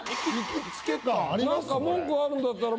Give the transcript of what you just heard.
何か文句あるんだったら。